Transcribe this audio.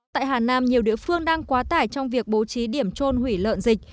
tại hà nam nhiều địa phương đang quá tải trong việc bố trí điểm trôn hủy lợn dịch